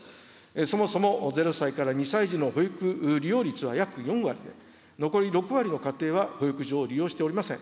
そもそも０歳から２歳児の保育利用率は約４割で、残り６割の家庭は保育所を利用しておりません。